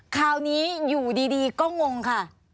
คราวนี้อยู่ดีก็งงค่ะ